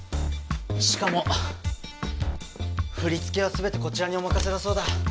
しかも振り付けはすべてこちらにお任せだそうだ。